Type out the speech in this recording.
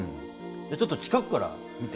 じゃちょっと近くから見て。